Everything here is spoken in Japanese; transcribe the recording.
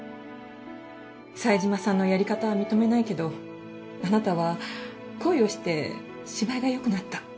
冴島さんのやり方は認めないけどあなたは恋をして芝居がよくなった。